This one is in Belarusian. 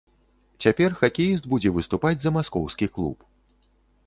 Цяпер хакеіст будзе выступаць за маскоўскі клуб.